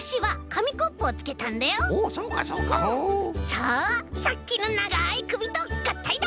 さあさっきのながいくびとがったいだ！